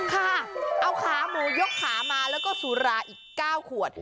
ค่ะเอาขาหมูยกขามาแล้วก็สุราอีก๙ขวด